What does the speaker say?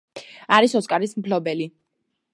არის ოსკარის მფლობელი.